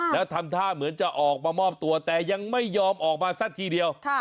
แล้วทำท่าเหมือนจะออกมามอบตัวแต่ยังไม่ยอมออกมาสักทีเดียว